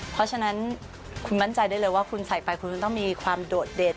เพราะฉะนั้นคุณมั่นใจได้เลยว่าคุณใส่ไปคุณจะต้องมีความโดดเด่น